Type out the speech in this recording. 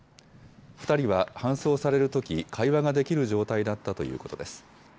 ２人は搬送されるとき会話ができる状態だったということです。